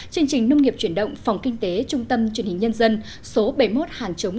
chương trình nông nghiệp chuyển động phòng kinh tế trung tâm truyền hình nhân dân số bảy mươi một hàng chống